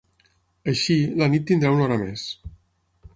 Així, la nit tindrà una hora més.